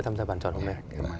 tham gia bàn trò này